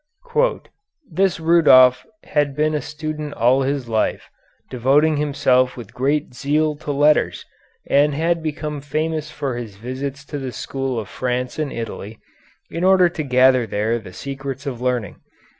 "This Rudolph had been a student all his life, devoting himself with great zeal to letters, and had become famous for his visits to the schools of France and Italy, in order to gather there the secrets of learning.